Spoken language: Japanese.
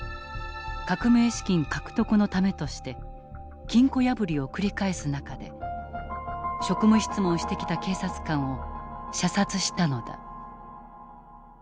革命資金獲得のためとして金庫破りを繰り返す中で職務質問してきた警察官を射殺したのだ。